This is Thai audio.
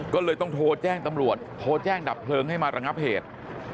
ก็เลยต้องโทรแจ้งตำรวจโทรแจ้งดับเพลิงให้มาระงับเหตุ